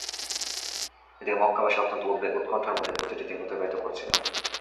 এদিকে মক্কাবাসী অত্যন্ত উদ্ধেগ-উৎকণ্ঠার মধ্যে প্রতিটি দিন অতিবাহিত করছিল।